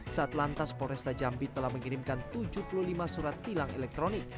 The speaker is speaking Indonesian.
saat lantas polresta jambi telah mengirimkan tujuh puluh lima surat tilang elektronik